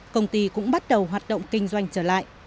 công ty cũng bắt đầu hoạt động kinh doanh trở lại